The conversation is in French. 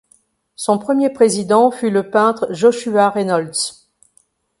Son premier président fut le peintre Joshua Reynolds.